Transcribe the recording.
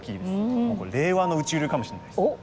これ令和の宇宙流かもしれないです。